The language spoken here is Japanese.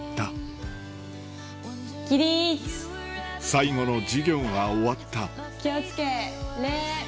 最後の授業が終わった気を付け礼。